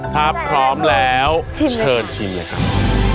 ถ้าพร้อมแล้วเชิญชิมเลยครับ